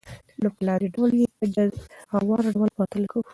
نو په لاندي ډول ئي په جزوار ډول پرتله كوو .